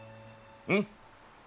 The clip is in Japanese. うん？